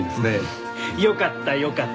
よかったよかった。